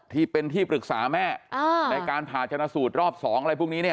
ที่เป็นที่ปรึกษาแม่ในการผ่าชนะสูตรรอบ๒อะไรพวกนี้เนี่ย